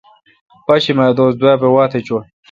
پاشمہ دوس دوابہ واتھ چوں ۔